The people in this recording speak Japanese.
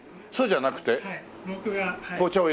そうじゃなくて？